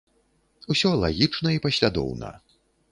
Усё лагічна і паслядоўна.